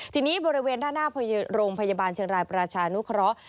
ทีนี้บริเวณด้านหน้าโรงพยาบาลเชียงรายประชานุเคราะห์